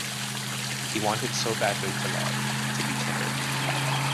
He wanted so badly to love, to be tender.